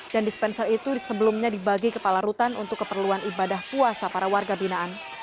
dan dispenser itu sebelumnya dibagi kepala rutan untuk keperluan ibadah puasa para warga binaan